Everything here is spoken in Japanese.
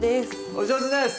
お上手です！